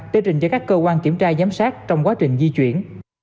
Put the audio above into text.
để trình cho các cơ quan kiểm tra giám sát trong quá trình di chuyển